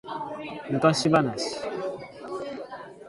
昔話